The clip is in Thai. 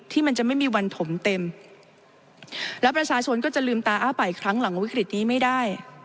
มันจะไม่มีวันถมเต็มและประชาชนก็จะลืมตาอ้าปากอีกครั้งหลังวิกฤตนี้ไม่ได้